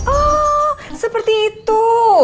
oh seperti itu